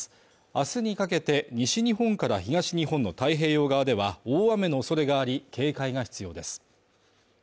明日にかけて西日本から東日本の太平洋側では大雨のおそれがあり警戒が必要です。